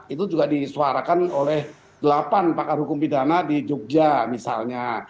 itu juga disuarakan oleh delapan pakar hukum pidana di jogja misalnya